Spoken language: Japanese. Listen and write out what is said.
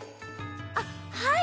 あっはい。